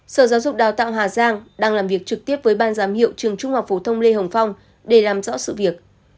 sở giáo dục đào tạo hà giang đang làm việc trực tiếp với ban giám hiệu trường trung học phổ thông lê hồng phong để làm rõ sự việc